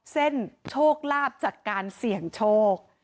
เส้นโชคลาภจัดการเสี่ยงโชค